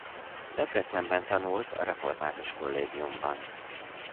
Debrecenben tanult a református kollégiumban.